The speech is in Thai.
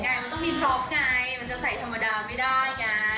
ไงมันต้องมีพร้อมไงมันจะใส่ธรรมดาไม่ได้ไง